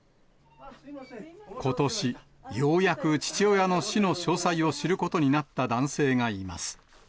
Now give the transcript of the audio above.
ことし、ようやく父親の死の詳細を知ることになった男性がいます。